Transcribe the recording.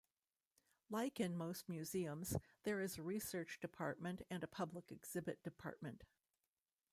Like in most museums, there is a research department and a public exhibit department.